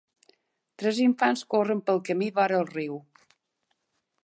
Tres infants corren pel camí vora el riu.